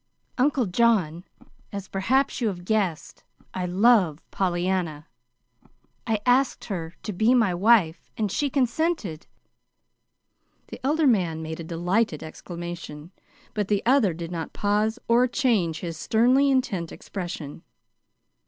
"Uncle John, as perhaps you have guessed, I love Pollyanna. I asked her to be my wife, and she consented." The elder man made a delighted exclamation, but the other did not pause, or change his sternly intent expression.